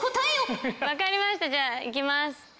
分かりましたじゃあいきます。